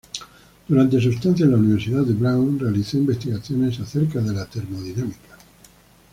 Durante su estancia en la Universidad de Brown realizó investigaciones acerca de la termodinámica.